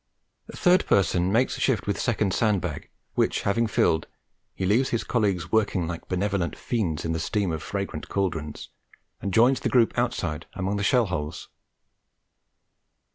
Third person makes shift with second sand bag, which having filled, he leaves his colleagues working like benevolent fiends in the steam of fragrant cauldrons, and joins the group outside among the shell holes.